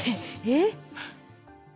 えっ。